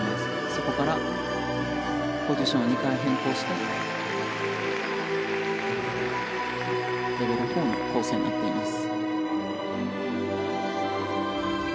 そこからポジションを２回変更してレベル４の構成になっています。